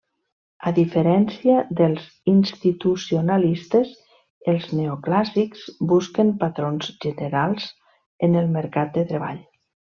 A diferència dels institucionalistes, els neoclàssics busquen patrons generals en el mercat de treball.